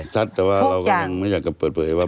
ชัดแต่ว่าเราก็ยังไม่อยากจะเปิดเผยว่า